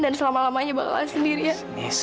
dan selama lamanya bakalan sendirian